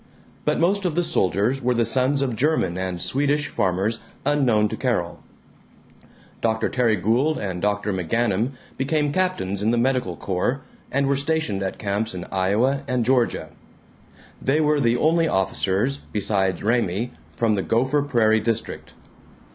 But most of the soldiers were the sons of German and Swedish farmers unknown to Carol. Dr. Terry Gould and Dr. McGanum became captains in the medical corps, and were stationed at camps in Iowa and Georgia. They were the only officers, besides Raymie, from the Gopher Prairie district.